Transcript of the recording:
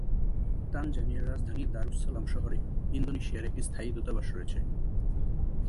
তানজানিয়ার রাজধানী Dar es Salaam শহরে ইন্দোনেশিয়ার একটি স্থায়ী দূতাবাস রয়েছে।